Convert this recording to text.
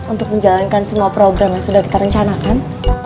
untuk menjalankan semua program yang sudah kita rencanakan